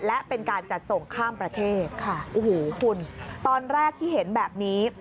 และเป็นการจัดส่งข้ามประเทศค่ะโอ้โหคุณตอนแรกที่เห็นแบบนี้